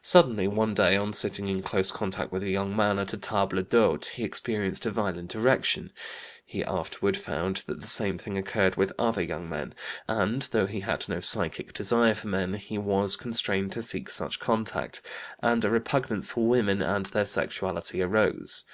Suddenly one day, on sitting in close contact with a young man at a table d'hôte, he experienced a violent erection; he afterward found that the same thing occurred with other young men, and, though he had no psychic desire for men, he was constrained to seek such contact, and a repugnance for women and their sexuality arose.